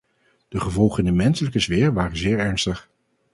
De gevolgen in de menselijke sfeer waren zeer ernstig.